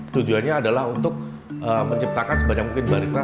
tujuannya adalah untuk menciptakan sebanyak mungkin barisan